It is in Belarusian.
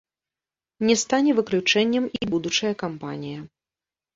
Не стане выключэннем і будучая кампанія.